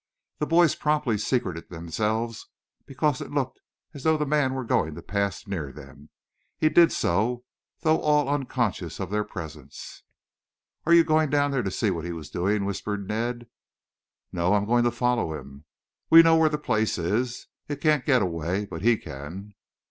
The boys promptly secreted themselves, because it looked as though the man were going to pass near them. He did so, though all unconscious of their presence. "Are you going down there to see what he has been doing?" whispered Ned. "No, I'm going to follow him. We know where that place is. It can't get away, but he can."